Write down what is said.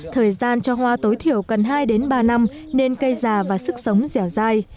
thời gian cho hoa tối thiểu cần hai ba năm nên cây già và sức sống dẻo dai